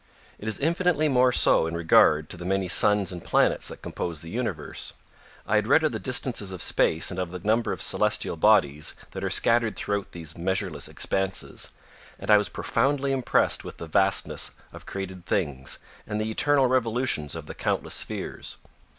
It is infinitely more so in regard to the many suns and planets that compose the universe. I had read of the distances of space and of the number of celestial bodies that are scattered throughout these measureless expanses, and I was profoundly impressed with the vastness of created things and the eternal revolutions of the countless spheres.